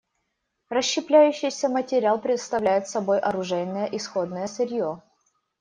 Расщепляющийся материал представляет собой оружейное исходное сырье.